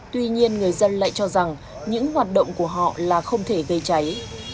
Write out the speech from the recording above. tuy nhiên người dân lại cho rằng những hoạt động của họ là không thể gây cháy